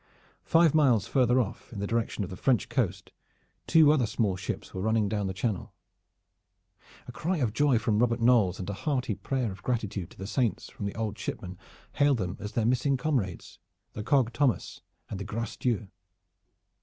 Five miles farther off, in the direction of the French coast, two other small ships were running down Channel. A cry of joy from Robert Knolles and a hearty prayer of gratitude to the saints from the old shipman hailed them as their missing comrades, the cog Thomas and the Grace Dieu.